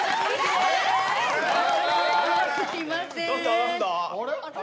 あれ？